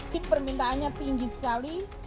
kik permintaannya tinggi sekali